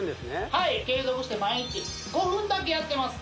はい継続して毎日５分だけやってます